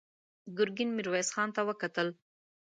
ګرګين ميرويس خان ته وکتل.